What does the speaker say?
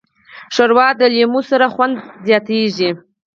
ښوروا د لیمو سره خوند زیاتیږي.